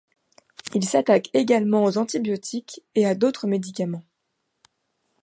Il s'attaque également aux antibiotiques et à d'autres médicaments.